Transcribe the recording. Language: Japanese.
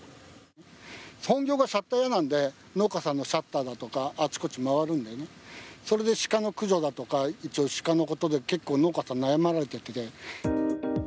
本業がシャッター屋なんで、農家さんのシャッターだとか、あちこち回るんでね、それでシカの駆除だとか、一応、シカのことで結構農家さん悩まれてて。